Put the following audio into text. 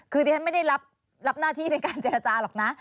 คือดิฉันไม่ได้รับหน้าที่ในการเจรจาหรอกนะ